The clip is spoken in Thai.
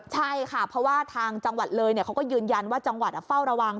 ใช่ค่ะเพราะว่าทางจังหวัดเลยเขาก็ยืนยันว่าจังหวัดเฝ้าระวัง